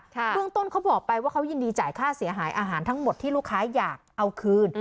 เรื่องต้นเขาบอกไปว่าเขายินดีจ่ายค่าเสียหายอาหารทั้งหมดที่ลูกค้าอยากเอาคืน